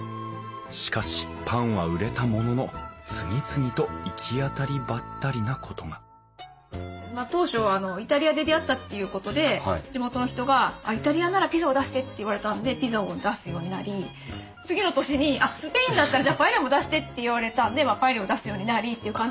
しかしパンは売れたものの次々といきあたりばったりなことがまあ当初イタリアで出会ったということで地元の人が「イタリアならピザを出して」って言われたんでピザを出すようになり次の年に「あっスペインだったらじゃあパエリアも出して」って言われたんでパエリアを出すようになりっていう感じで。